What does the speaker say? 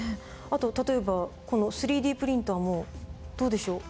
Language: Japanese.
あと例えばこの３Ｄプリンターもどうでしょう？